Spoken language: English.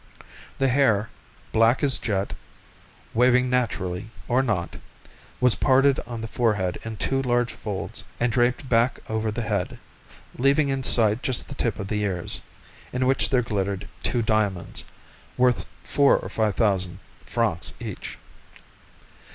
The hair, black as jet, waving naturally or not, was parted on the forehead in two large folds and draped back over the head, leaving in sight just the tip of the ears, in which there glittered two diamonds, worth four to five thousand francs each.